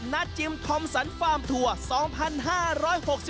จิมทอมสันฟาร์มทัวร์๒๕๖๒